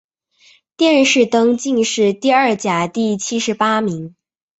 殿试登进士第二甲第七十八名。